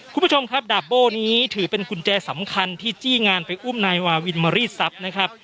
คุณผู้ชมครับดาบโบ้นี้ถือเป็นกุญแจสำคัญที่จี้งานไปอุ้มนายวาวินมารีดทรัพย์นะครับ